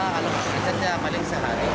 kalau kerja kerja paling sehari